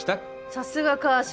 さすが川島。